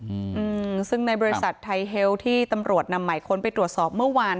อืมซึ่งในบริษัทไทยเฮลที่ตำรวจนำหมายค้นไปตรวจสอบเมื่อวาน